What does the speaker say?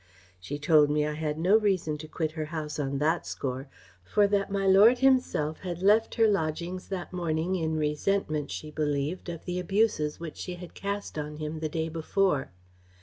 She told me I had no reason to quit her house on that score, for that my lord himself had left her lodgings that morning in resentment, she believed, of the abuses Which she had cast on him the day before.